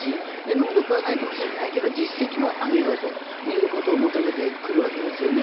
能力はないかもしれないけれども実績は上げろということを求めてくるわけですよね。